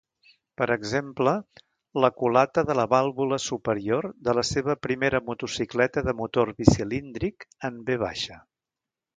Per exemple, la culata de la vàlvula superior de la seva primera motocicleta de motor bicilíndric en V.